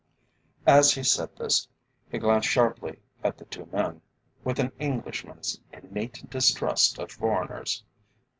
As he said this he glanced sharply at the two men, with an Englishman's innate distrust of foreigners.